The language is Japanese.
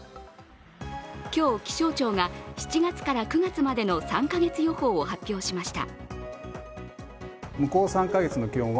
今日、気象庁が７月から９月までの３カ月予報を発表しました。